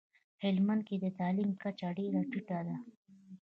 هلمندکي دتعلیم کچه ډیره ټیټه ده